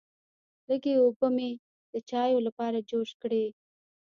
لږې اوبه مې د چایو لپاره جوش کړې.